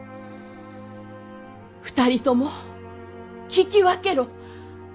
２人とも聞き分けろ！